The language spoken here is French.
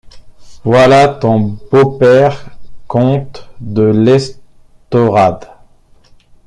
Voilà ton beau-père comte de l’Estorade.